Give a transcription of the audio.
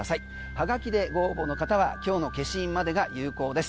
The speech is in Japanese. はがきでご応募の方は今日の消印までが有効です。